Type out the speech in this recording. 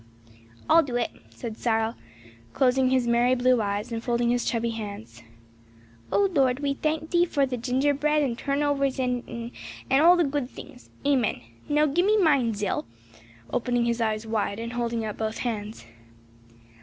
"I'll do it," said Cyril, closing his merry blue eyes and folding his chubby hands. "O Lord, we thank thee for the ginger bread and turnovers and and all the good things, Amen. Now gi me mine, Zil," opening his eyes wide and holding out both hands.